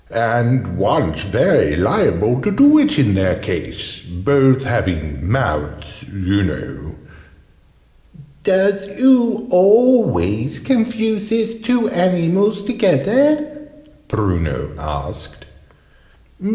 And one's very liable to do it in their case both having mouths, you know " "Doos oo always confuses two animals together?" Bruno asked.